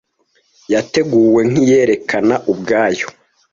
Yateguwe nk'iyerekana ubwayo.